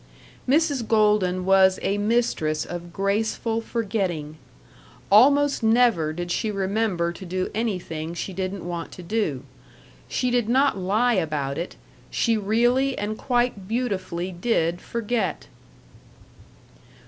Mrs. Golden was a mistress of graceful forgetting. Almost never did she remember to do anything she didn't want to do. She did not lie about it; she really and quite beautifully did forget.